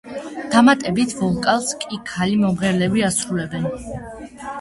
დამატებით ვოკალს კი ქალი მომღერლები ასრულებენ.